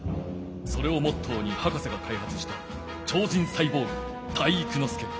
それをモットーに博士がかいはつした超人サイボーグ体育ノ介。